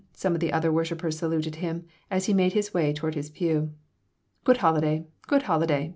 some of the other worshipers saluted him, as he made his way toward his pew "Good holiday! Good holiday!"